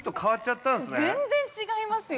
全然違いますよ